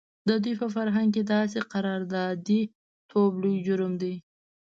د دوی په فرهنګ کې داسې قراردادي توب لوی جرم دی.